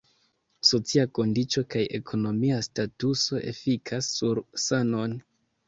Socia kondiĉo kaj ekonomia statuso efikas sur sanon.